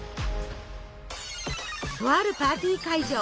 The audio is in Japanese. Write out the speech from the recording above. とあるパーティー会場！